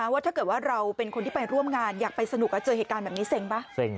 ว่าถ้าเกิดว่าเราเป็นคนที่ไปร่วมงานอยากไปสนุกเจอเหตุการณ์แบบนี้เซ็งป่ะ